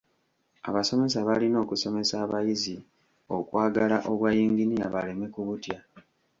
Abasomesa balina okusomesa abayizi okwagala obwa yinginiya baleme kubutya.